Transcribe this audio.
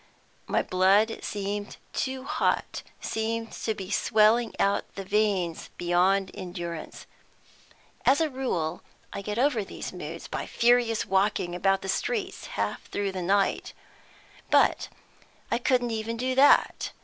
My blood seemed too hot, seemed to be swelling out the veins beyond endurance. As a rule I get over these moods by furious walking about the streets half through the night, but I couldn't even do that.